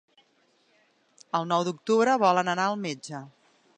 El nou d'octubre volen anar al metge.